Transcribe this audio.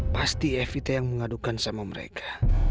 pasti evita yang mengadukan sama mereka